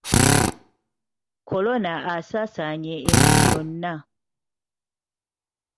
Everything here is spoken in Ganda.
Kolona asaasaanye ensi yonna.